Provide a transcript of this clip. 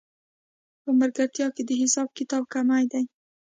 په ملګرتیا کې د حساب کتاب کمی دی